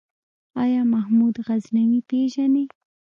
آيا محمود غزنوي پېژنې ؟